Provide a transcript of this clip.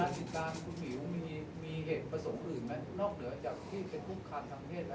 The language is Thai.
ติดตามคุณหมิวมีเหตุประสงค์อื่นไหมนอกเหนือจากที่เป็นคุกคามทางเพศแล้ว